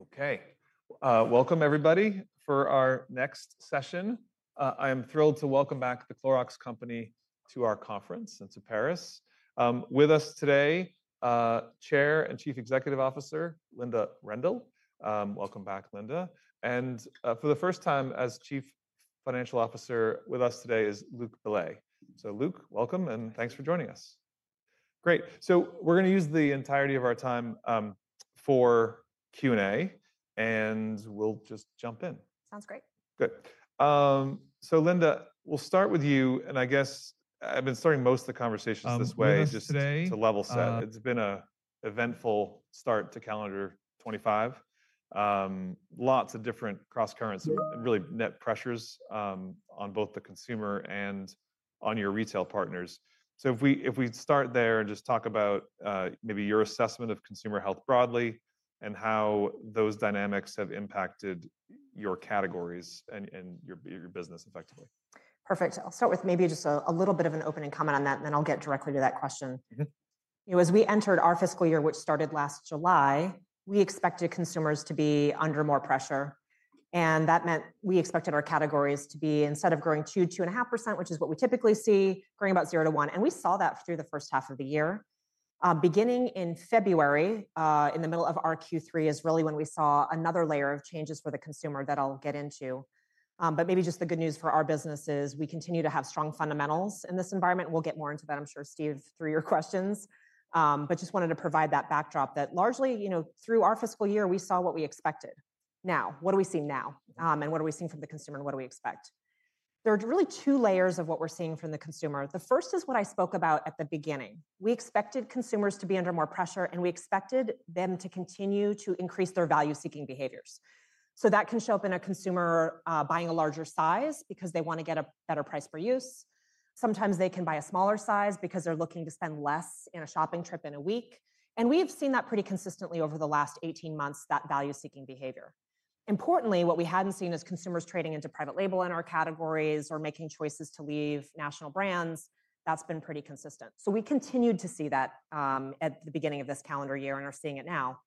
Okay, welcome everybody for our next session. I am thrilled to welcome back The Clorox Company to our conference. It is in Paris. With us today, Chair and Chief Executive Officer Linda Rendle. Welcome back, Linda. For the first time as Chief Financial Officer with us today is Luc Bellet. Luc, welcome and thanks for joining us. Great. We are going to use the entirety of our time for Q&A, and we will just jump in. Sounds great. Good. Linda, we'll start with you. I guess I've been starting most of the conversations this way, just to level-set. It's been an eventful start to calendar 2025. Lots of different cross-currents and really net pressures on both the consumer and on your retail partners. If we start there and just talk about maybe your assessment of consumer health broadly and how those dynamics have impacted your categories and your business effectively. Perfect. I'll start with maybe just a little bit of an opening comment on that, and then I'll get directly to that question. As we entered our fiscal year, which started last July, we expected consumers to be under more pressure. That meant we expected our categories to be, instead of growing 2%-2.5%, which is what we typically see, growing about 0%-1%. We saw that through the first half of the year. Beginning in February, in the middle of our Q3, is really when we saw another layer of changes for the consumer that I'll get into. Maybe just the good news for our business is we continue to have strong fundamentals in this environment. We'll get more into that, I'm sure, Steve, through your questions. I just wanted to provide that backdrop that largely through our fiscal year, we saw what we expected. Now, what are we seeing now? What are we seeing from the consumer? What do we expect? There are really two layers of what we're seeing from the consumer. The first is what I spoke about at the beginning. We expected consumers to be under more pressure, and we expected them to continue to increase their value-seeking behaviors. That can show up in a consumer buying a larger size because they want to get a better price per use. Sometimes they can buy a smaller size because they're looking to spend less in a shopping trip in a week. We have seen that pretty consistently over the last 18 months, that value-seeking behavior. Importantly, what we had not seen is consumers trading into private label in our categories or making choices to leave national brands. That has been pretty consistent. We continued to see that at the beginning of this calendar year and are seeing it now.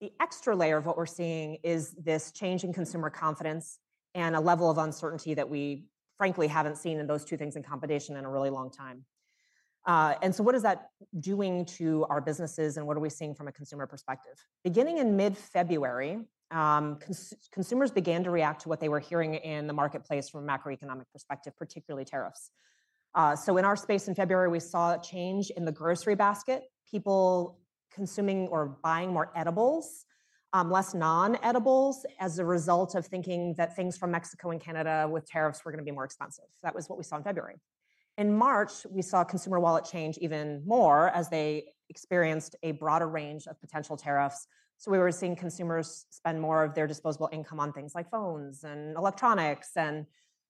The extra layer of what we are seeing is this change in consumer confidence and a level of uncertainty that we, frankly, have not seen in those two things in combination in a really long time. What is that doing to our businesses and what are we seeing from a consumer perspective? Beginning in mid-February, consumers began to react to what they were hearing in the marketplace from a macroeconomic perspective, particularly tariffs. In our space in February, we saw a change in the grocery basket, people consuming or buying more edibles, less non-edibles as a result of thinking that things from Mexico and Canada with tariffs were going to be more expensive. That was what we saw in February. In March, we saw consumer wallet change even more as they experienced a broader range of potential tariffs. We were seeing consumers spend more of their disposable income on things like phones and electronics and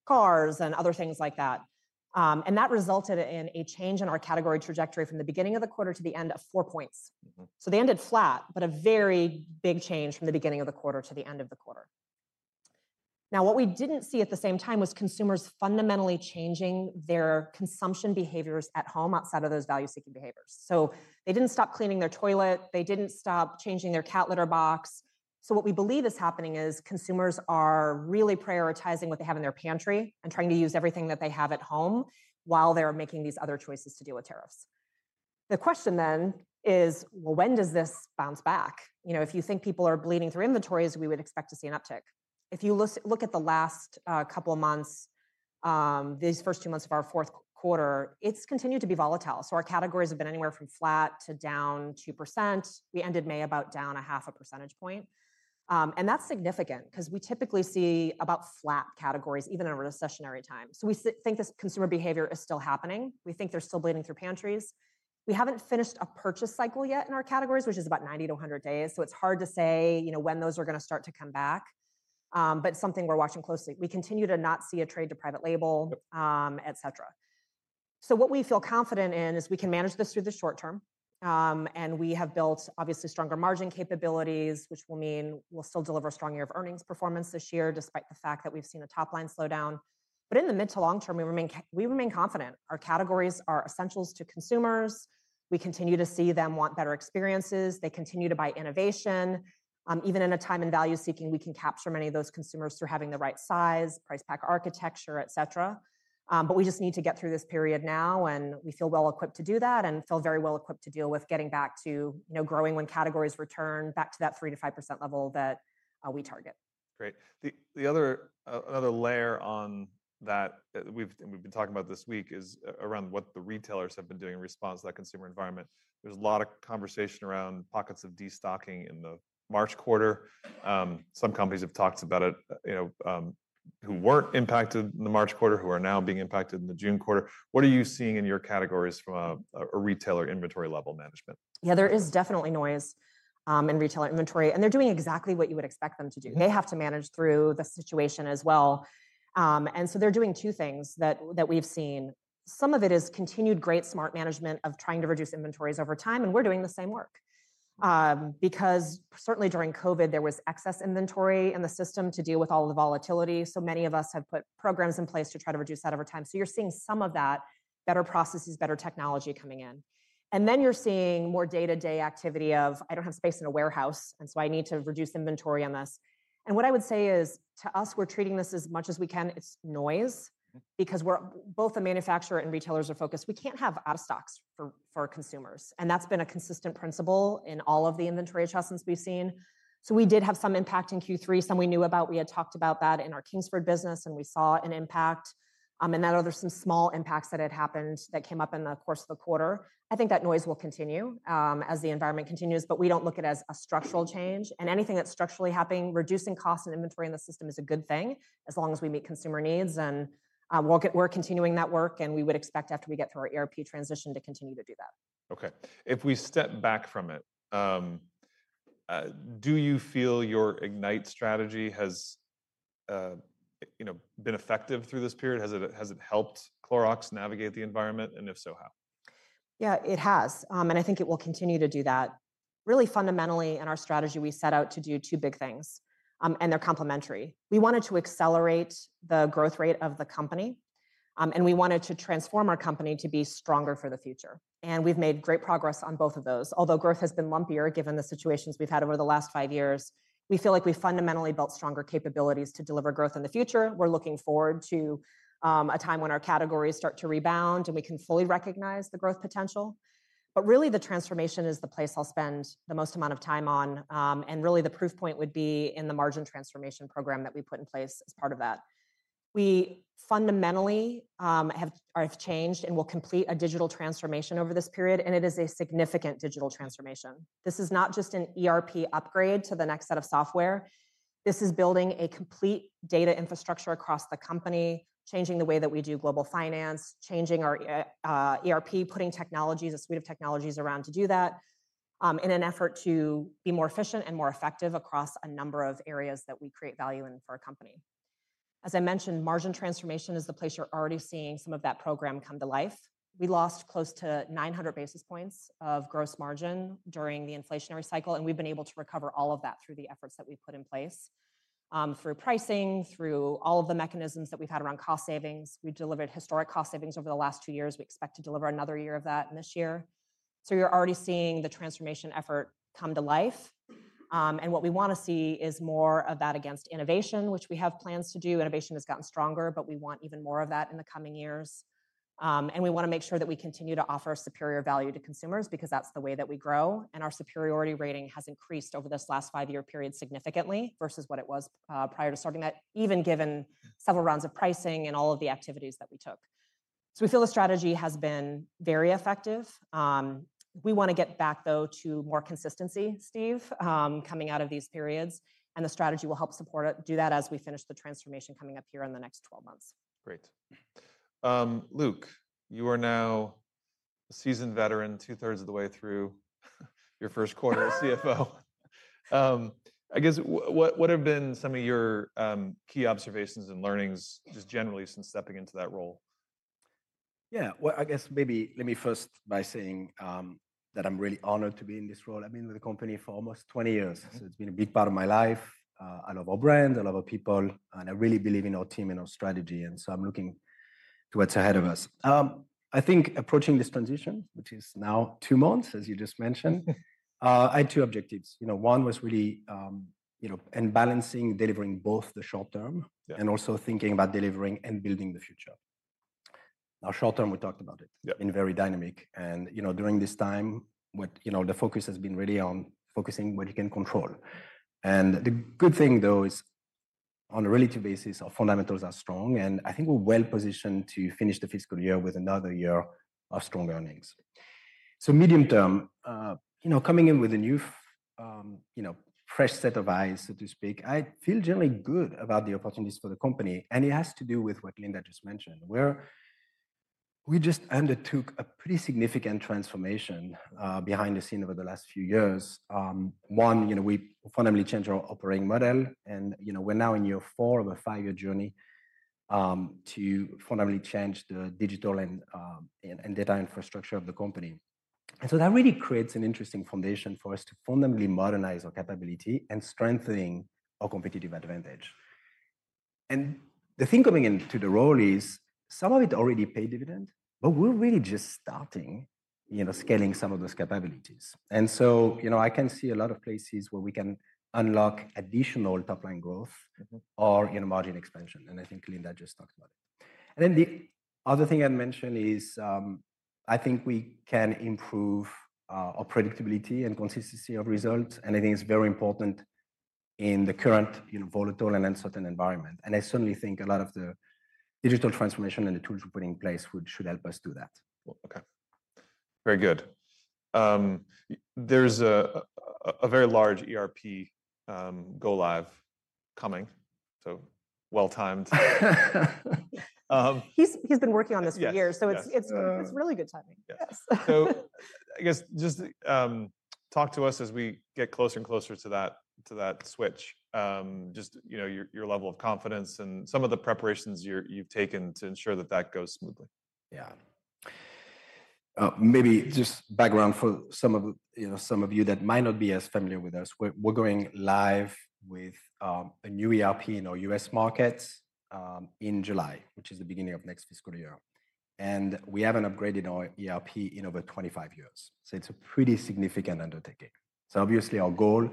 cars and other things like that. That resulted in a change in our category trajectory from the beginning of the quarter to the end of four points. They ended flat, but a very big change from the beginning of the quarter to the end of the quarter. Now, what we did not see at the same time was consumers fundamentally changing their consumption behaviors at home outside of those value-seeking behaviors. They did not stop cleaning their toilet. They did not stop changing their cat litter box. What we believe is happening is consumers are really prioritizing what they have in their pantry and trying to use everything that they have at home while they're making these other choices to deal with tariffs. The question then is, when does this bounce back? If you think people are bleeding through inventories, we would expect to see an uptick. If you look at the last couple of months, these first two months of our fourth quarter, it's continued to be volatile. Our categories have been anywhere from flat to down 2%. We ended May about down half a percentage point. That is significant because we typically see about flat categories even in a recessionary time. We think this consumer behavior is still happening. We think they're still bleeding through pantries. We haven't finished a purchase cycle yet in our categories, which is about 90-100 days. It's hard to say when those are going to start to come back, but it's something we're watching closely. We continue to not see a trade to private label, et cetera. What we feel confident in is we can manage this through the short term. We have built, obviously, stronger margin capabilities, which will mean we'll still deliver a strong year of earnings performance this year despite the fact that we've seen a top line slowdown. In the mid to long term, we remain confident. Our categories are essentials to consumers. We continue to see them want better experiences. They continue to buy innovation. Even in a time in value-seeking, we can capture many of those consumers through having the right size, price pack architecture, et cetera. We just need to get through this period now, and we feel well equipped to do that and feel very well equipped to deal with getting back to growing when categories return back to that 3%-5% level that we target. Great. Another layer on that we've been talking about this week is around what the retailers have been doing in response to that consumer environment. There's a lot of conversation around pockets of destocking in the March quarter. Some companies have talked about it who weren't impacted in the March quarter, who are now being impacted in the June quarter. What are you seeing in your categories from a retailer inventory level management? Yeah, there is definitely noise in retailer inventory, and they're doing exactly what you would expect them to do. They have to manage through the situation as well. They are doing two things that we've seen. Some of it is continued great smart management of trying to reduce inventories over time, and we're doing the same work. Certainly during COVID, there was excess inventory in the system to deal with all the volatility. Many of us have put programs in place to try to reduce that over time. You are seeing some of that, better processes, better technology coming in. You are also seeing more day-to-day activity of, "I don't have space in a warehouse, and so I need to reduce inventory on this." What I would say is, to us, we're treating this as much as we can. It's noise because both the manufacturer and retailers are focused. We can't have out of stocks for consumers. That has been a consistent principle in all of the inventory adjustments we've seen. We did have some impact in Q3, some we knew about. We had talked about that in our Kingsford business, and we saw an impact. There were some small impacts that happened that came up in the course of the quarter. I think that noise will continue as the environment continues, but we don't look at it as a structural change. Anything that's structurally happening, reducing costs and inventory in the system is a good thing as long as we meet consumer needs. We're continuing that work, and we would expect after we get through our ERP transition to continue to do that. Okay. If we step back from it, do you feel your Ignite strategy has been effective through this period? Has it helped Clorox navigate the environment? If so, how? Yeah, it has. I think it will continue to do that. Really fundamentally in our strategy, we set out to do two big things, and they're complementary. We wanted to accelerate the growth rate of the company, and we wanted to transform our company to be stronger for the future. We've made great progress on both of those. Although growth has been lumpier given the situations we've had over the last five years, we feel like we fundamentally built stronger capabilities to deliver growth in the future. We're looking forward to a time when our categories start to rebound and we can fully recognize the growth potential. Really, the transformation is the place I'll spend the most amount of time on. Really, the proof point would be in the margin transformation program that we put in place as part of that. We fundamentally have changed and will complete a digital transformation over this period, and it is a significant digital transformation. This is not just an ERP upgrade to the next set of software. This is building a complete data infrastructure across the company, changing the way that we do global finance, changing our ERP, putting a suite of technologies around to do that in an effort to be more efficient and more effective across a number of areas that we create value in for our company. As I mentioned, margin transformation is the place you're already seeing some of that program come to life. We lost close to 900 basis points of gross margin during the inflationary cycle, and we've been able to recover all of that through the efforts that we put in place, through pricing, through all of the mechanisms that we've had around cost savings. We delivered historic cost savings over the last two years. We expect to deliver another year of that this year. You are already seeing the transformation effort come to life. What we want to see is more of that against innovation, which we have plans to do. Innovation has gotten stronger, but we want even more of that in the coming years. We want to make sure that we continue to offer superior value to consumers because that is the way that we grow. Our superiority rating has increased over this last five-year period significantly versus what it was prior to starting that, even given several rounds of pricing and all of the activities that we took. We feel the strategy has been very effective. We want to get back, though, to more consistency, Steve, coming out of these periods. The strategy will help support do that as we finish the transformation coming up here in the next 12 months. Great. Luc, you are now a seasoned veteran, two-thirds of the way through your first quarter as CFO. I guess, what have been some of your key observations and learnings just generally since stepping into that role? Yeah, I guess maybe let me first by saying that I'm really honored to be in this role. I've been with the company for almost 20 years. It has been a big part of my life. I love our brand, I love our people, and I really believe in our team and our strategy. I am looking to what's ahead of us. I think approaching this transition, which is now two months, as you just mentioned, I had two objectives. One was really balancing delivering both the short term and also thinking about delivering and building the future. Now, short term, we talked about it being very dynamic. During this time, the focus has been really on focusing what you can control. The good thing, though, is on a relative basis, our fundamentals are strong, and I think we're well positioned to finish the fiscal year with another year of strong earnings. Medium term, coming in with a new fresh set of eyes, so to speak, I feel generally good about the opportunities for the company. It has to do with what Linda just mentioned, where we just undertook a pretty significant transformation behind the scenes over the last few years. One, we fundamentally changed our operating model, and we're now in year four of a five-year journey to fundamentally change the digital and data infrastructure of the company. That really creates an interesting foundation for us to fundamentally modernize our capability and strengthen our competitive advantage. The thing coming into the role is some of it already paid dividend, but we are really just starting scaling some of those capabilities. I can see a lot of places where we can unlock additional top-line growth or margin expansion. I think Linda just talked about it. The other thing I would mention is I think we can improve our predictability and consistency of results. I think it is very important in the current volatile and uncertain environment. I certainly think a lot of the digital transformation and the tools we are putting in place should help us do that. Okay. Very good. There's a very large ERP go-live coming, so well-timed. He's been working on this for years, so it's really good timing. Yes. I guess just talk to us as we get closer and closer to that switch, just your level of confidence and some of the preparations you've taken to ensure that that goes smoothly. Yeah. Maybe just background for some of you that might not be as familiar with us. We're going live with a new ERP in our U.S. market in July, which is the beginning of next fiscal year. And we haven't upgraded our ERP in over twenty-five years. It is a pretty significant undertaking. Obviously, our goal is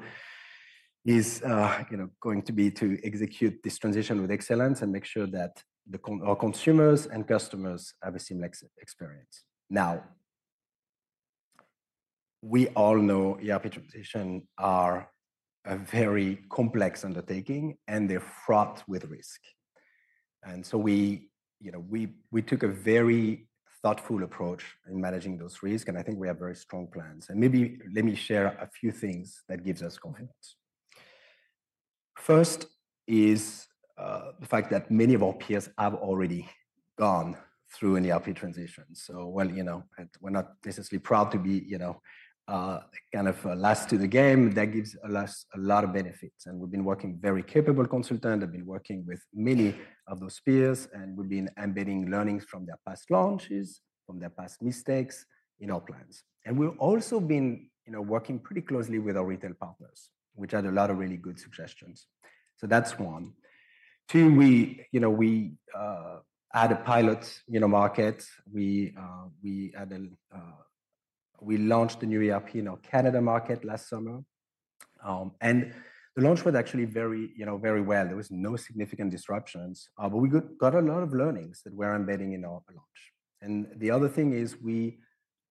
going to be to execute this transition with excellence and make sure that our consumers and customers have a similar experience. Now, we all know ERP transitions are a very complex undertaking, and they're fraught with risk. We took a very thoughtful approach in managing those risks, and I think we have very strong plans. Maybe let me share a few things that give us confidence. First is the fact that many of our peers have already gone through an ERP transition. While we're not necessarily proud to be kind of last to the game, that gives us a lot of benefits. We've been working with very capable consultants. They've been working with many of those peers, and we've been embedding learnings from their past launches, from their past mistakes in our plans. We've also been working pretty closely with our retail partners, which had a lot of really good suggestions. That's one. Two, we had a pilot market. We launched the new ERP in our Canada market last summer. The launch was actually very well. There were no significant disruptions, but we got a lot of learnings that we're embedding in our launch. The other thing is we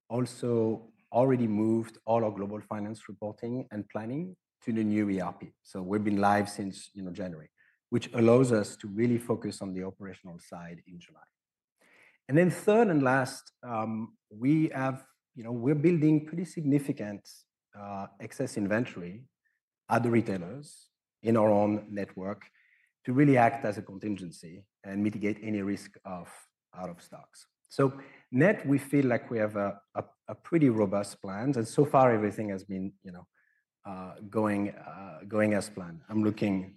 also already moved all our global finance reporting and planning to the new ERP. We have been live since January, which allows us to really focus on the operational side in July. Third and last, we are building pretty significant excess inventory at the retailers in our own network to really act as a contingency and mitigate any risk of out of stocks. Net, we feel like we have a pretty robust plan. So far, everything has been going as planned. I am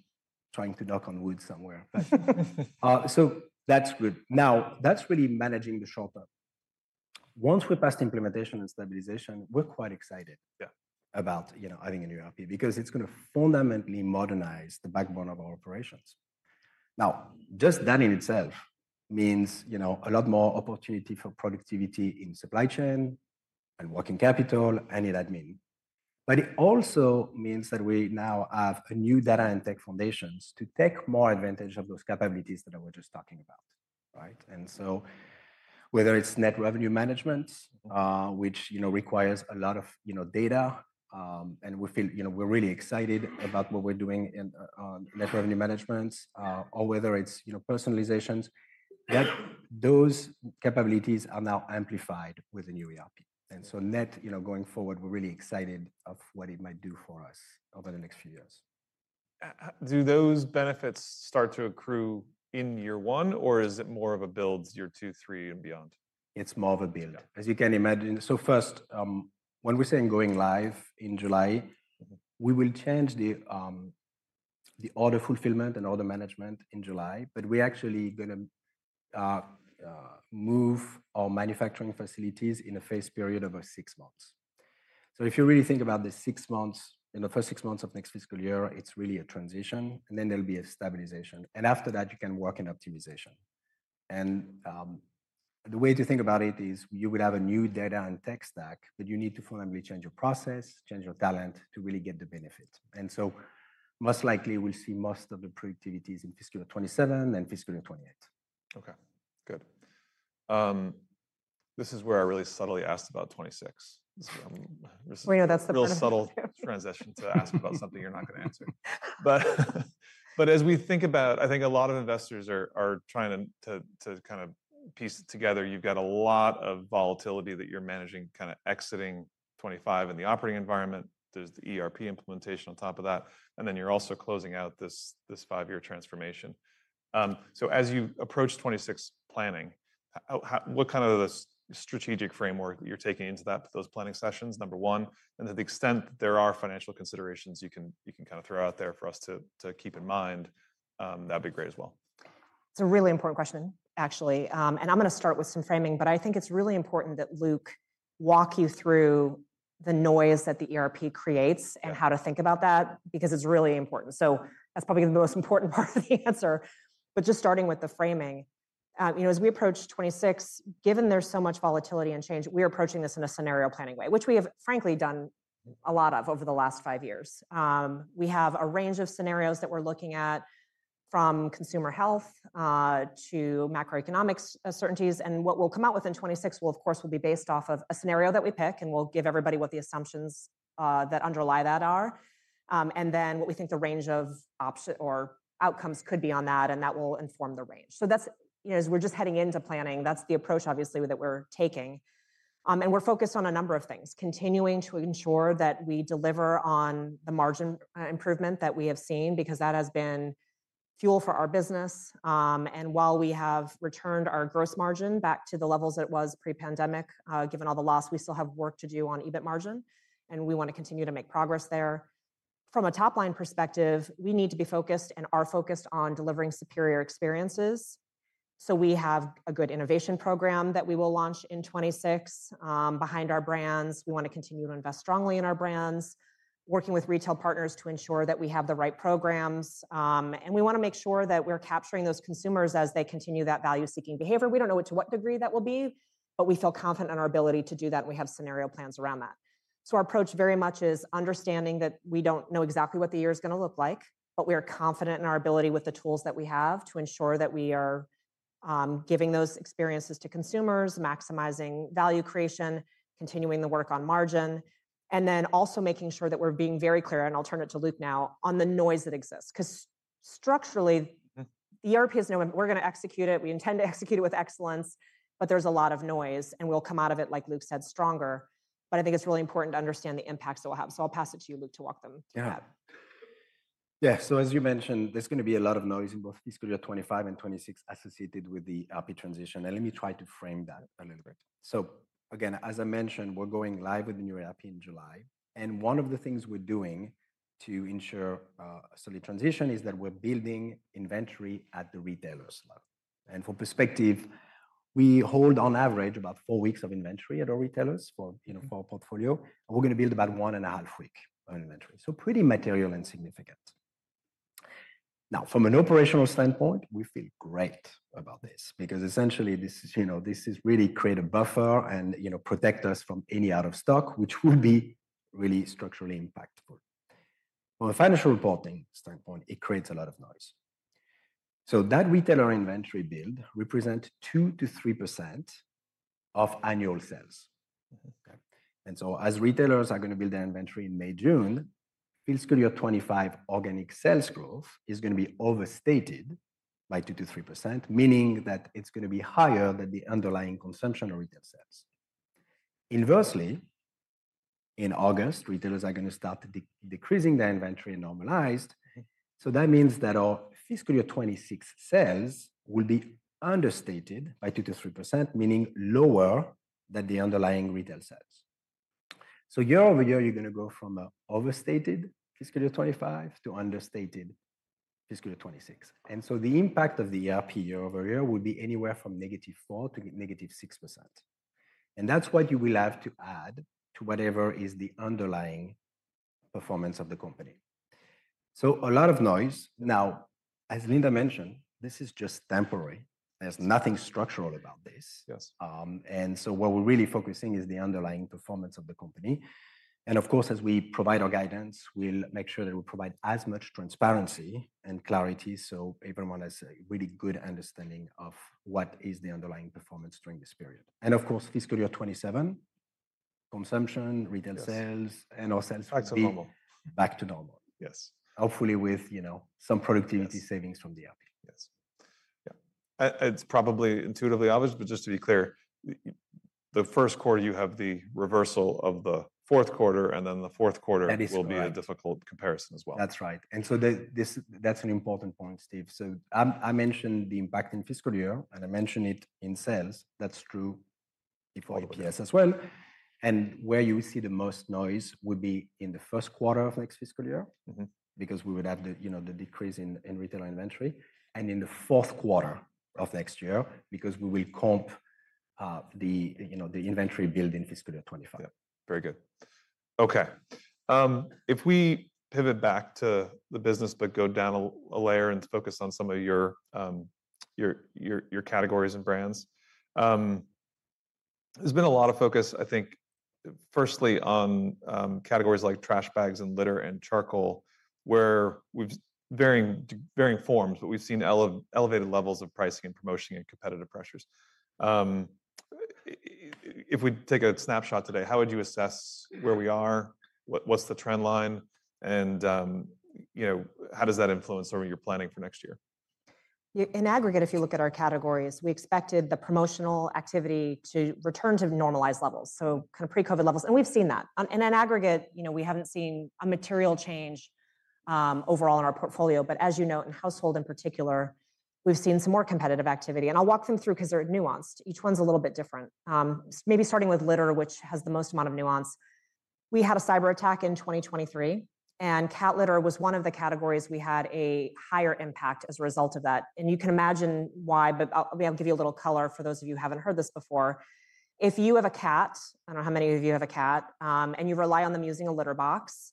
trying to knock on wood somewhere. That is good. Now, that is really managing the short term. Once we are past implementation and stabilization, we are quite excited about adding a new ERP because it is going to fundamentally modernize the backbone of our operations. Just that in itself means a lot more opportunity for productivity in supply chain and working capital and in admin. It also means that we now have a new data and tech foundations to take more advantage of those capabilities that I was just talking about. Whether it's net revenue management, which requires a lot of data, and we feel we're really excited about what we're doing in net revenue management, or whether it's personalizations, those capabilities are now amplified with a new ERP. Net, going forward, we're really excited about what it might do for us over the next few years. Do those benefits start to accrue in year one, or is it more of a build year two, three, and beyond? It's more of a build, as you can imagine. First, when we're saying going live in July, we will change the order fulfillment and order management in July, but we're actually going to move our manufacturing facilities in a phase period of six months. If you really think about the six months, the first six months of next fiscal year, it's really a transition, and then there will be a stabilization. After that, you can work in optimization. The way to think about it is you will have a new data and tech stack, but you need to fundamentally change your process, change your talent to really get the benefit. Most likely, we'll see most of the productivities in fiscal year 2027 and fiscal year 2028. Okay. Good. This is where I really subtly asked about '26. That's the person. Real subtle transition to ask about something you're not going to answer. But as we think about, I think a lot of investors are trying to kind of piece it together. You've got a lot of volatility that you're managing, kind of exiting 2025 in the operating environment. There's the ERP implementation on top of that. And then you're also closing out this five-year transformation. So as you approach 2026 planning, what kind of strategic framework you're taking into those planning sessions, number one? And to the extent that there are financial considerations you can kind of throw out there for us to keep in mind, that'd be great as well. It's a really important question, actually. I'm going to start with some framing, but I think it's really important that Luc walk you through the noise that the ERP creates and how to think about that because it's really important. That's probably the most important part of the answer. Just starting with the framing, as we approach 2026, given there's so much volatility and change, we're approaching this in a scenario planning way, which we have, frankly, done a lot of over the last five years. We have a range of scenarios that we're looking at from consumer health to macroeconomic uncertainties. What we'll come out with in 2026, of course, will be based off of a scenario that we pick, and we'll give everybody what the assumptions that underlie that are. What we think the range of outcomes could be on that, and that will inform the range. As we are just heading into planning, that is the approach, obviously, that we are taking. We are focused on a number of things, continuing to ensure that we deliver on the margin improvement that we have seen because that has been fuel for our business. While we have returned our gross margin back to the levels that it was pre-pandemic, given all the loss, we still have work to do on EBIT margin, and we want to continue to make progress there. From a top-line perspective, we need to be focused and are focused on delivering superior experiences. We have a good innovation program that we will launch in 2026 behind our brands. We want to continue to invest strongly in our brands, working with retail partners to ensure that we have the right programs. We want to make sure that we're capturing those consumers as they continue that value-seeking behavior. We don't know to what degree that will be, but we feel confident in our ability to do that, and we have scenario plans around that. Our approach very much is understanding that we don't know exactly what the year is going to look like, but we are confident in our ability with the tools that we have to ensure that we are giving those experiences to consumers, maximizing value creation, continuing the work on margin, and then also making sure that we're being very clear. I'll turn it to Luc now on the noise that exists because structurally, the ERP has no impact. We're going to execute it. We intend to execute it with excellence, but there's a lot of noise, and we'll come out of it, like Luc said, stronger. I think it's really important to understand the impacts it will have. I'll pass it to you, Luc, to walk them through that. Yeah. As you mentioned, there's going to be a lot of noise in both fiscal year 2025 and 2026 associated with the ERP transition. Let me try to frame that a little bit. Again, as I mentioned, we're going live with the new ERP in July. One of the things we're doing to ensure a solid transition is that we're building inventory at the retailers' level. For perspective, we hold, on average, about four weeks of inventory at our retailers for our portfolio. We're going to build about one and a half weeks of inventory, so pretty material and significant. Now, from an operational standpoint, we feel great about this because essentially, this is really creating a buffer and protecting us from any out of stock, which would be really structurally impactful. From a financial reporting standpoint, it creates a lot of noise. That retailer inventory build represents 2%-3% of annual sales. As retailers are going to build their inventory in May, June, fiscal year 2025 organic sales growth is going to be overstated by 2%-3%, meaning that it is going to be higher than the underlying consumption or retail sales. Inversely, in August, retailers are going to start decreasing their inventory and normalized. That means that our fiscal year 2026 sales will be understated by 2%-3%, meaning lower than the underlying retail sales. Year over year, you are going to go from an overstated fiscal year 2025 to understated fiscal year 2026. The impact of the ERP year over year will be anywhere from negative 4% to negative 6%. That is what you will have to add to whatever is the underlying performance of the company. A lot of noise. Now, as Linda mentioned, this is just temporary. There is nothing structural about this. What we are really focusing on is the underlying performance of the company. Of course, as we provide our guidance, we will make sure that we provide as much transparency and clarity so everyone has a really good understanding of what is the underlying performance during this period. Fiscal year 2027, consumption, retail sales, and our sales are back to normal, hopefully with some productivity savings from the ERP. Yes. Yeah. It's probably intuitively obvious, but just to be clear, the first quarter, you have the reversal of the fourth quarter, and then the fourth quarter will be a difficult comparison as well. That's right. That is an important point, Steve. I mentioned the impact in fiscal year, and I mentioned it in sales. That is true for EPS as well. Where you see the most noise would be in the first quarter of next fiscal year because we would have the decrease in retail inventory and in the fourth quarter of next year because we will comp the inventory build in fiscal year 2025. Yeah. Very good. Okay. If we pivot back to the business, but go down a layer and focus on some of your categories and brands, there's been a lot of focus, I think, firstly on categories like trash bags and litter and charcoal, where we've, in varying forms, but we've seen elevated levels of pricing and promotion and competitive pressures. If we take a snapshot today, how would you assess where we are? What's the trend line? And how does that influence your planning for next year? In aggregate, if you look at our categories, we expected the promotional activity to return to normalized levels, so kind of pre-COVID levels. We have seen that. In aggregate, we have not seen a material change overall in our portfolio. As you note, in household in particular, we have seen some more competitive activity. I will walk them through because they are nuanced. Each one is a little bit different. Maybe starting with litter, which has the most amount of nuance. We had a cyber attack in 2023, and cat litter was one of the categories we had a higher impact as a result of that. You can imagine why, but I will give you a little color for those of you who have not heard this before. If you have a cat—I do not know how many of you have a cat—and you rely on them using a litter box,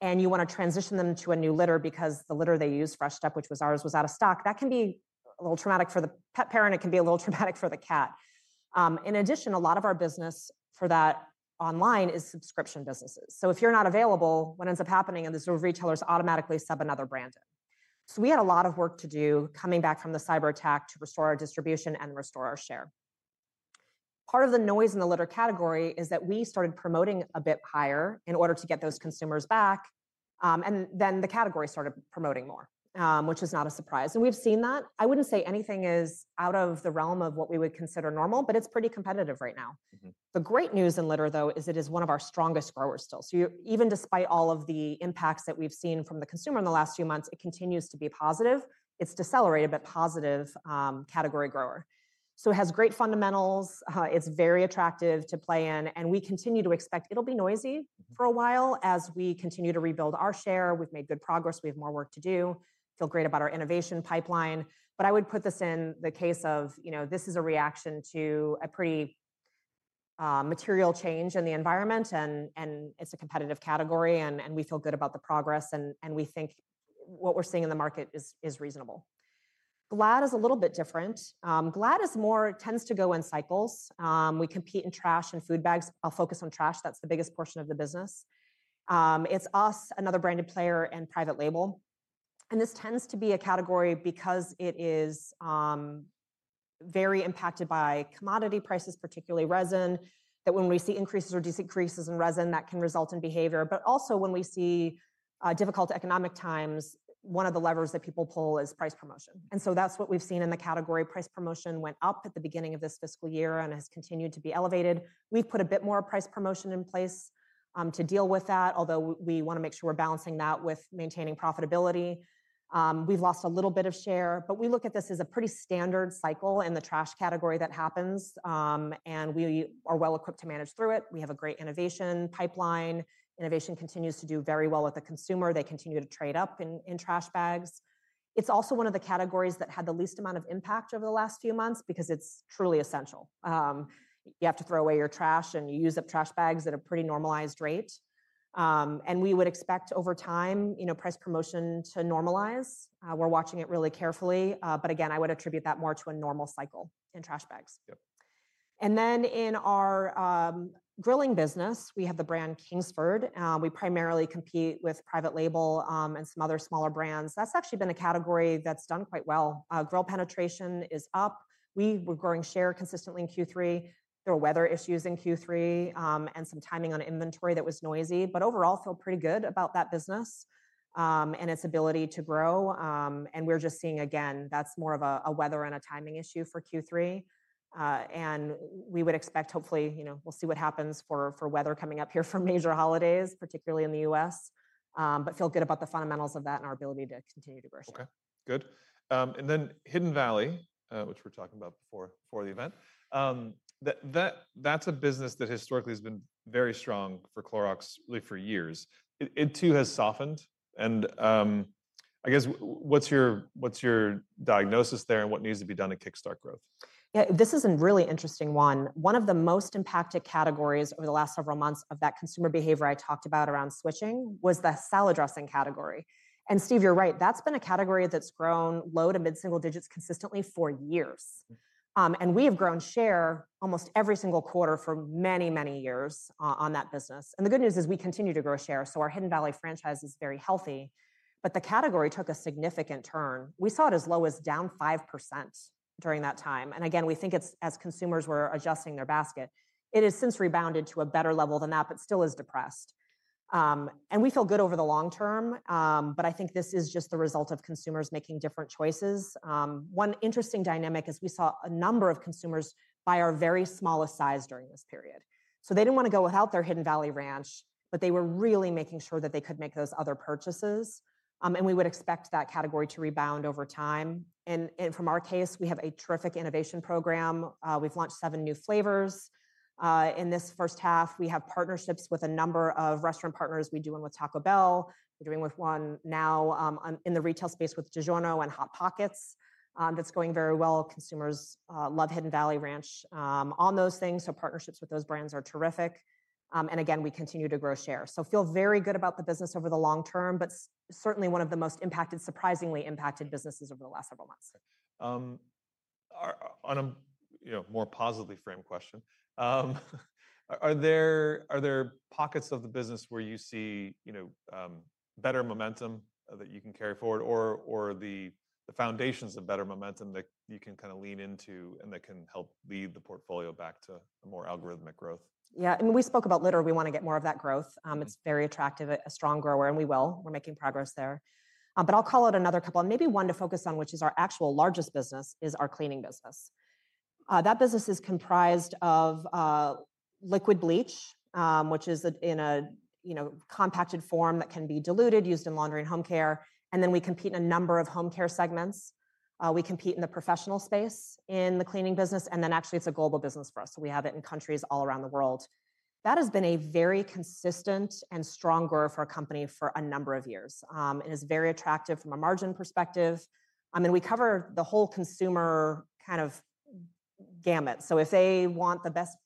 and you want to transition them to a new litter because the litter they used, Fresh Step, which was ours, was out of stock, that can be a little traumatic for the pet parent. It can be a little traumatic for the cat. In addition, a lot of our business for that online is subscription businesses. If you are not available, what ends up happening is the retailers automatically sub another brand in. We had a lot of work to do coming back from the cyber attack to restore our distribution and restore our share. Part of the noise in the litter category is that we started promoting a bit higher in order to get those consumers back. The category started promoting more, which is not a surprise. We have seen that. I would not say anything is out of the realm of what we would consider normal, but it is pretty competitive right now. The great news in litter, though, is it is one of our strongest growers still. Even despite all of the impacts that we have seen from the consumer in the last few months, it continues to be positive. It is a decelerated, but positive, category grower. It has great fundamentals. It is very attractive to play in. We continue to expect it will be noisy for a while as we continue to rebuild our share. We have made good progress. We have more work to do. I feel great about our innovation pipeline. I would put this in the case of this is a reaction to a pretty material change in the environment, and it is a competitive category, and we feel good about the progress, and we think what we are seeing in the market is reasonable. Glad is a little bit different. Glad tends to go in cycles. We compete in trash and food bags. I will focus on trash. That is the biggest portion of the business. It is us, another branded player, and private label. This tends to be a category because it is very impacted by commodity prices, particularly resin, that when we see increases or decreases in resin, that can result in behavior. Also, when we see difficult economic times, one of the levers that people pull is price promotion. That is what we have seen in the category. Price promotion went up at the beginning of this fiscal year and has continued to be elevated. We've put a bit more price promotion in place to deal with that, although we want to make sure we're balancing that with maintaining profitability. We've lost a little bit of share, but we look at this as a pretty standard cycle in the trash category that happens, and we are well equipped to manage through it. We have a great innovation pipeline. Innovation continues to do very well with the consumer. They continue to trade up in trash bags. It's also one of the categories that had the least amount of impact over the last few months because it's truly essential. You have to throw away your trash, and you use up trash bags at a pretty normalized rate. We would expect over time price promotion to normalize. We're watching it really carefully. I would attribute that more to a normal cycle in trash bags. In our grilling business, we have the brand Kingsford. We primarily compete with private label and some other smaller brands. That's actually been a category that's done quite well. Grill penetration is up. We were growing share consistently in Q3. There were weather issues in Q3 and some timing on inventory that was noisy. Overall, I feel pretty good about that business and its ability to grow. We're just seeing, again, that's more of a weather and a timing issue for Q3. We would expect, hopefully, we'll see what happens for weather coming up here for major holidays, particularly in the U.S., but feel good about the fundamentals of that and our ability to continue to grow share. Okay. Good. Hidden Valley, which we were talking about before the event, that's a business that historically has been very strong for Clorox, really for years. It too has softened. I guess what's your diagnosis there and what needs to be done to kickstart growth? Yeah. This is a really interesting one. One of the most impacted categories over the last several months of that consumer behavior I talked about around switching was the salad dressing category. Steve, you're right. That's been a category that's grown low to mid-single digits consistently for years. We have grown share almost every single quarter for many, many years on that business. The good news is we continue to grow share. Our Hidden Valley franchise is very healthy. The category took a significant turn. We saw it as low as down 5% during that time. Again, we think it's as consumers were adjusting their basket. It has since rebounded to a better level than that, but still is depressed. We feel good over the long term, but I think this is just the result of consumers making different choices. One interesting dynamic is we saw a number of consumers buy our very smallest size during this period. They did not want to go without their Hidden Valley Ranch, but they were really making sure that they could make those other purchases. We would expect that category to rebound over time. From our case, we have a terrific innovation program. We have launched seven new flavors. In this first half, we have partnerships with a number of restaurant partners. We are doing with Taco Bell. We are doing with one now in the retail space with DiGiorno and Hot Pockets. That is going very well. Consumers love Hidden Valley Ranch on those things. Partnerships with those brands are terrific. We continue to grow share. I feel very good about the business over the long term, but certainly one of the most surprisingly impacted businesses over the last several months. On a more positively framed question, are there pockets of the business where you see better momentum that you can carry forward or the foundations of better momentum that you can kind of lean into and that can help lead the portfolio back to more algorithmic growth? Yeah. We spoke about litter. We want to get more of that growth. It's very attractive, a strong grower, and we will. We're making progress there. I'll call out another couple. Maybe one to focus on, which is our actual largest business, is our cleaning business. That business is comprised of liquid bleach, which is in a compacted form that can be diluted, used in laundry and home care. We compete in a number of home care segments. We compete in the professional space in the cleaning business. Actually, it's a global business for us. We have it in countries all around the world. That has been a very consistent and strong grower for our company for a number of years. It is very attractive from a margin perspective. I mean, we cover the whole consumer kind of gamut. If they want the best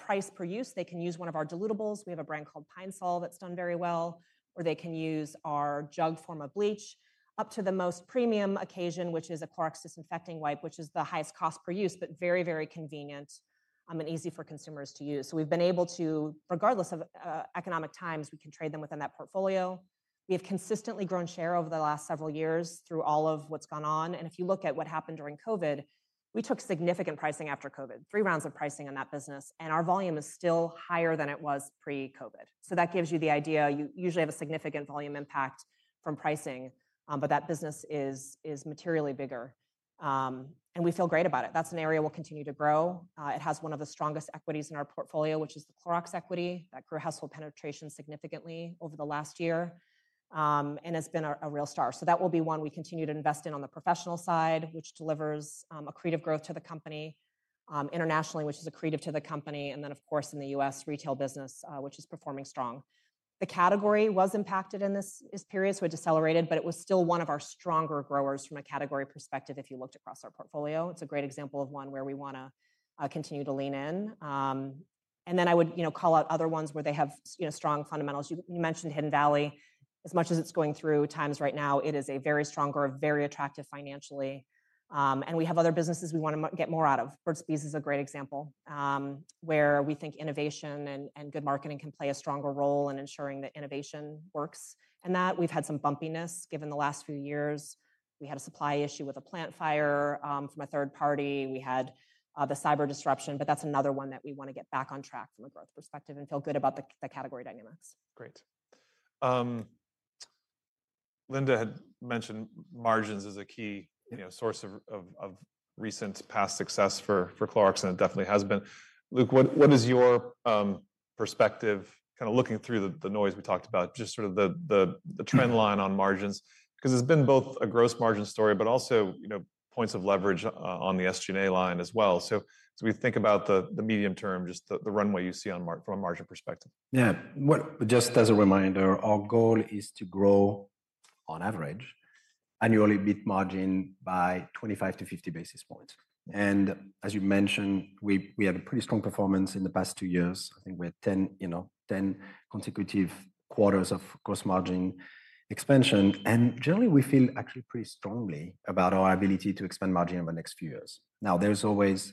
price per use, they can use one of our dilutables. We have a brand called Pine-Sol that's done very well, or they can use our jug form of bleach up to the most premium occasion, which is a Clorox Disinfecting Wipe, which is the highest cost per use, but very, very convenient and easy for consumers to use. We have been able to, regardless of economic times, trade them within that portfolio. We have consistently grown share over the last several years through all of what's gone on. If you look at what happened during COVID, we took significant pricing after COVID, three rounds of pricing on that business. Our volume is still higher than it was pre-COVID. That gives you the idea. You usually have a significant volume impact from pricing, but that business is materially bigger. We feel great about it. That is an area we will continue to grow. It has one of the strongest equities in our portfolio, which is the Clorox equity. That grew household penetration significantly over the last year and has been a real star. That will be one we continue to invest in on the professional side, which delivers accretive growth to the company internationally, which is accretive to the company. Of course, in the U.S. retail business, which is performing strong. The category was impacted in this period, so it decelerated, but it was still one of our stronger growers from a category perspective if you looked across our portfolio. It is a great example of one where we want to continue to lean in. I would call out other ones where they have strong fundamentals. You mentioned Hidden Valley. As much as it's going through times right now, it is a very strong, very attractive financially. We have other businesses we want to get more out of. Burt's Bees is a great example where we think innovation and good marketing can play a stronger role in ensuring that innovation works. We have had some bumpiness given the last few years. We had a supply issue with a plant fire from a third party. We had the cyber disruption, but that's another one that we want to get back on track from a growth perspective and feel good about the category dynamics. Great. Linda had mentioned margins as a key source of recent past success for Clorox, and it definitely has been. Luc, what is your perspective kind of looking through the noise we talked about, just sort of the trend line on margins? Because it's been both a gross margin story, but also points of leverage on the SG&A line as well. As we think about the medium term, just the runway you see from a margin perspective. Yeah. Just as a reminder, our goal is to grow on average annually EBIT margin by 25 to 50 basis points. As you mentioned, we had a pretty strong performance in the past two years. I think we had 10 consecutive quarters of gross margin expansion. Generally, we feel actually pretty strongly about our ability to expand margin over the next few years. There are always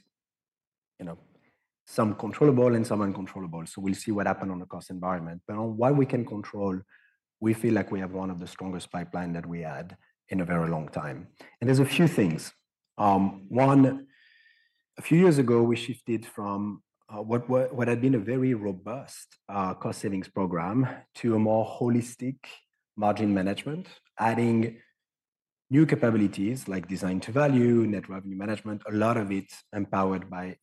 some controllable and some uncontrollable. We will see what happens on the cost environment. On what we can control, we feel like we have one of the strongest pipelines that we have had in a very long time. There are a few things. One, a few years ago, we shifted from what had been a very robust cost savings program to a more holistic margin management, adding new capabilities like design to value, net revenue management, a lot of it empowered by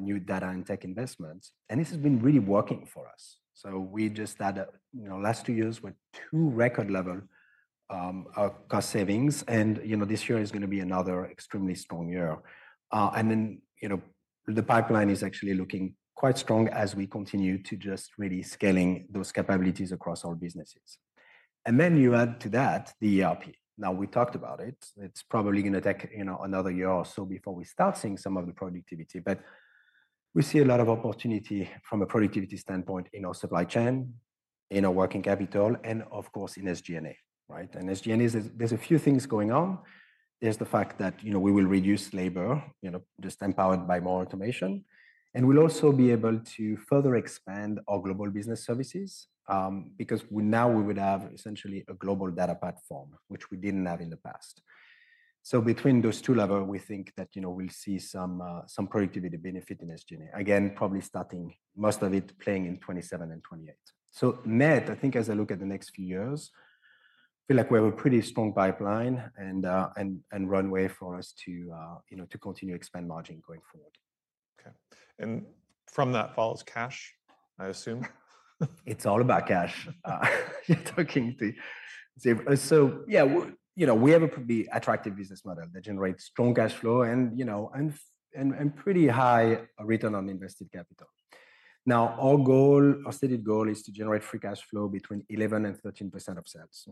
new data and tech investments. This has been really working for us. We just had last two years with two record level cost savings. This year is going to be another extremely strong year. The pipeline is actually looking quite strong as we continue to just really scaling those capabilities across our businesses. You add to that the ERP. We talked about it. It's probably going to take another year or so before we start seeing some of the productivity. We see a lot of opportunity from a productivity standpoint in our supply chain, in our working capital, and of course, in SG&A. In SG&A, there are a few things going on. There is the fact that we will reduce labor, just empowered by more automation. We will also be able to further expand our global business services because now we would have essentially a global data platform, which we did not have in the past. Between those two levels, we think that we will see some productivity benefit in SG&A. Again, probably starting most of it playing in 2027 and 2028. Net, I think as I look at the next few years, I feel like we have a pretty strong pipeline and runway for us to continue to expand margin going forward. Okay. From that follows cash, I assume. It's all about cash. You're talking to. Yeah, we have a pretty attractive business model that generates strong cash flow and pretty high return on invested capital. Now, our goal, our stated goal is to generate free cash flow between 11% and 13% of sales.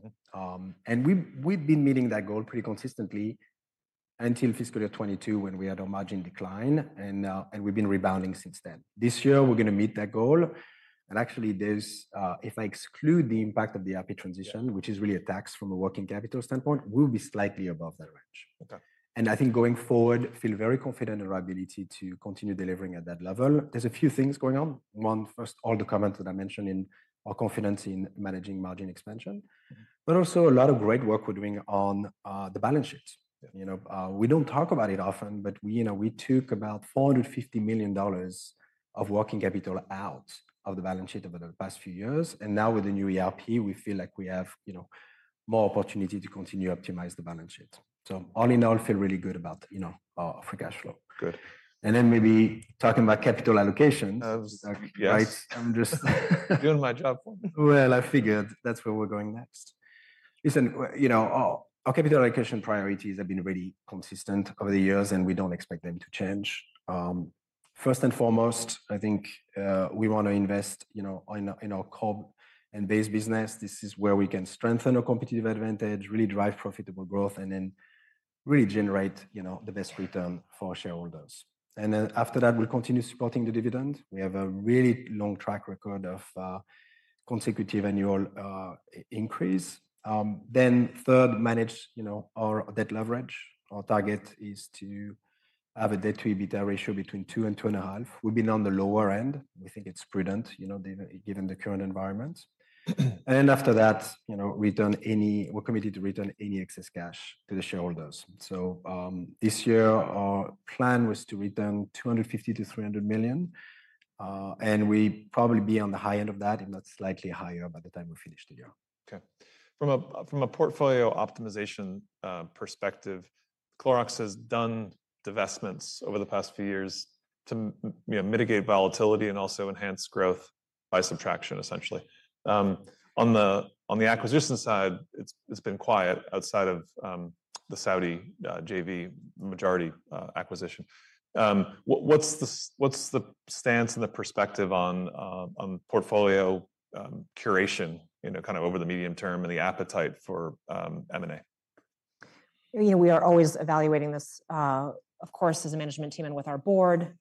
We've been meeting that goal pretty consistently until fiscal year 2022 when we had a margin decline, and we've been rebounding since then. This year, we're going to meet that goal. Actually, if I exclude the impact of the ERP transition, which is really a tax from a working capital standpoint, we'll be slightly above that range. I think going forward, feel very confident in our ability to continue delivering at that level. There's a few things going on. One, first, all the comments that I mentioned in our confidence in managing margin expansion, but also a lot of great work we're doing on the balance sheet. We do not talk about it often, but we took about $450 million of working capital out of the balance sheet over the past few years. Now with the new ERP, we feel like we have more opportunity to continue optimizing the balance sheet. All in all, feel really good about our free cash flow. Good. Maybe talking about capital allocations. I was just doing my job. Our capital allocation priorities have been really consistent over the years, and we do not expect them to change. First and foremost, I think we want to invest in our core and base business. This is where we can strengthen our competitive advantage, really drive profitable growth, and then really generate the best return for our shareholders. After that, we will continue supporting the dividend. We have a really long track record of consecutive annual increase. Third, manage our debt leverage. Our target is to have a debt-to-EBITDA ratio between 2 and 2.5. We have been on the lower end. We think it is prudent given the current environment. After that, we are committed to return any excess cash to the shareholders. This year, our plan was to return $250 million-$300 million. We will probably be on the high end of that, if not slightly higher by the time we finish the year. Okay. From a portfolio optimization perspective, Clorox has done divestments over the past few years to mitigate volatility and also enhance growth by subtraction, essentially. On the acquisition side, it's been quiet outside of the Saudi JV majority acquisition. What's the stance and the perspective on portfolio curation kind of over the medium term and the appetite for M&A? We are always evaluating this, of course, as a management team and with our board.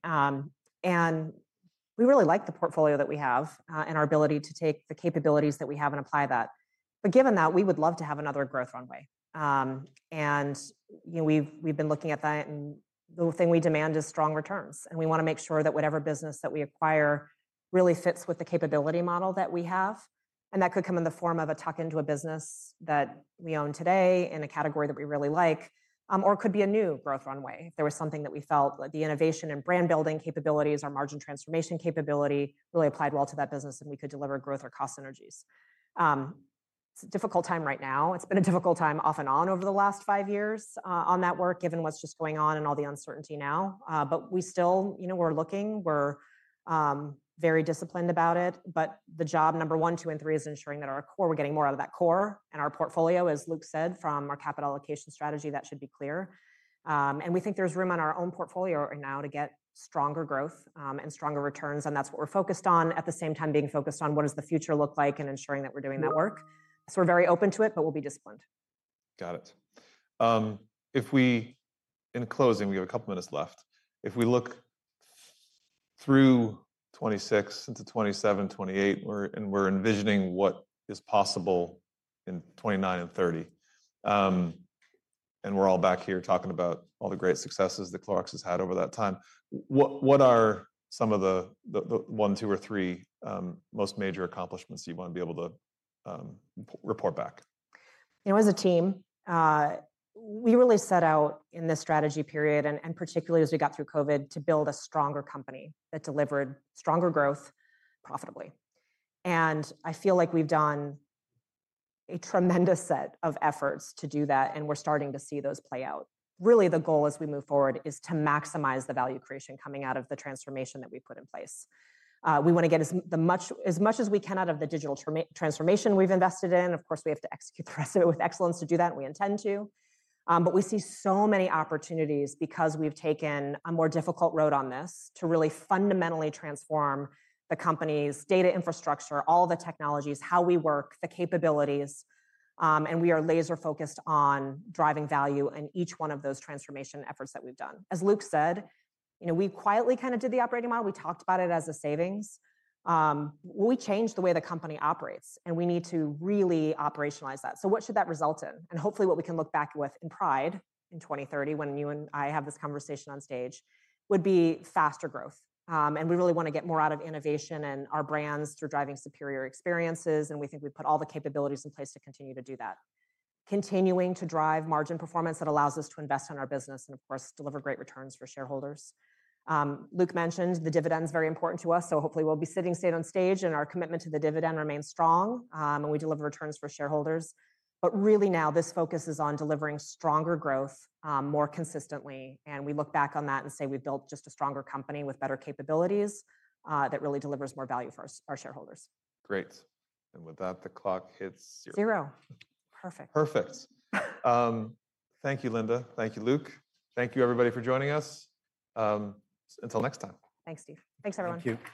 We really like the portfolio that we have and our ability to take the capabilities that we have and apply that. Given that, we would love to have another growth runway. We have been looking at that. The thing we demand is strong returns. We want to make sure that whatever business that we acquire really fits with the capability model that we have. That could come in the form of a tuck into a business that we own today in a category that we really like, or could be a new growth runway if there was something that we felt that the innovation and brand building capabilities, our margin transformation capability, really applied well to that business, and we could deliver growth or cost synergies. It's a difficult time right now. It's been a difficult time off and on over the last five years on that work, given what's just going on and all the uncertainty now. We still were looking. We're very disciplined about it. The job, number one, two, and three is ensuring that our core, we're getting more out of that core. Our portfolio, as Luc said, from our capital allocation strategy, that should be clear. We think there's room on our own portfolio right now to get stronger growth and stronger returns. That's what we're focused on, at the same time being focused on what does the future look like and ensuring that we're doing that work. We're very open to it, but we'll be disciplined. Got it. In closing, we have a couple of minutes left. If we look through 2026 into 2027, 2028, and we're envisioning what is possible in 2029 and 2030, and we're all back here talking about all the great successes that Clorox has had over that time, what are some of the one, two, or three most major accomplishments you want to be able to report back? As a team, we really set out in this strategy period, and particularly as we got through COVID, to build a stronger company that delivered stronger growth profitably. I feel like we've done a tremendous set of efforts to do that, and we're starting to see those play out. Really, the goal as we move forward is to maximize the value creation coming out of the transformation that we put in place. We want to get as much as we can out of the digital transformation we've invested in. Of course, we have to execute the rest of it with excellence to do that, and we intend to. We see so many opportunities because we've taken a more difficult road on this to really fundamentally transform the company's data infrastructure, all the technologies, how we work, the capabilities. We are laser-focused on driving value in each one of those transformation efforts that we've done. As Luc said, we quietly kind of did the operating model. We talked about it as a savings. We changed the way the company operates, and we need to really operationalize that. What should that result in? Hopefully, what we can look back with in pride in 2030, when you and I have this conversation on stage, would be faster growth. We really want to get more out of innovation and our brands through driving superior experiences. We think we put all the capabilities in place to continue to do that, continuing to drive margin performance that allows us to invest in our business and, of course, deliver great returns for shareholders. Luc mentioned the dividend is very important to us. Hopefully, we'll be sitting on stage, and our commitment to the dividend remains strong, and we deliver returns for shareholders. Really now, this focus is on delivering stronger growth more consistently. We look back on that and say we've built just a stronger company with better capabilities that really delivers more value for our shareholders. Great. And with that, the clock hits. Zero. Perfect. Perfect. Thank you, Linda. Thank you, Luc. Thank you, everybody, for joining us. Until next time. Thanks, Steve. Thanks, everyone. Thank you.